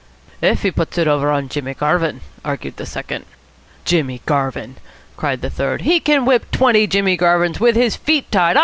"If he puts it over Jimmy Garvin," argued the second. "Jimmy Garvin!" cried the third. "He can whip twenty Jimmy Garvins with his feet tied.